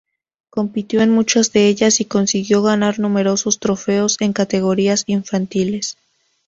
Compitió en muchas de ellas y consiguió ganar numerosos trofeos en categorías infantiles.